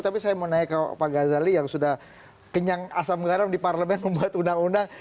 tapi saya mau nanya ke pak gazali yang sudah kenyang asam garam di parlemen membuat undang undang